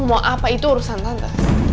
mau apa itu urusan tante